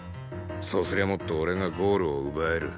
そうすりゃもっと俺がゴールを奪える。